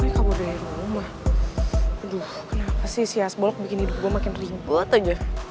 kabur dari rumah aduh kenapa sih si asbolok bikin hidup gue makin ribet aja